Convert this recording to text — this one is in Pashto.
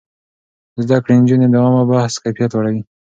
زده کړې نجونې د عامه بحث کيفيت لوړوي.